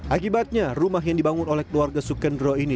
akibatnya rumah yang dibangun oleh keluarga sukendro ini